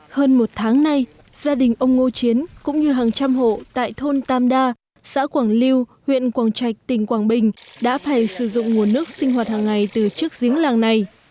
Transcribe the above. hơn một tháng nay gia đình ông ngô chiến cũng như hàng trăm hộ tại thôn tam đa xã quảng lưu huyện quảng trạch tỉnh quảng bình đã phải sử dụng nguồn nước sinh hoạt hàng ngày từ trước giếng làng này